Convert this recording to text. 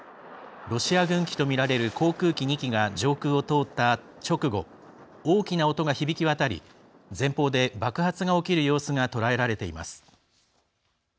ロシア軍機とみられる航空機２機が上空を通った直後大きな音が響き渡り前方で爆発が起きる様子が捉えられています。